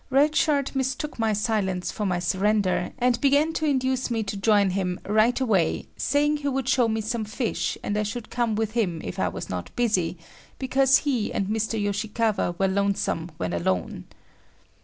Red Shirt mistook my silence for my surrender, and began to induce me to join him right away, saying he would show me some fish and I should come with him if I was not busy, because he and Mr. Yoshikawa were lonesome when alone.